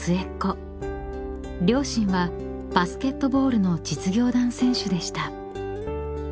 ［両親はバスケットボールの実業団選手でした］